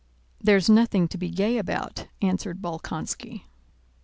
"There's nothing to be gay about," answered Bolkónski.